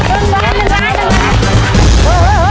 หนึ่งร้านหนึ่งร้านหนึ่งร้าน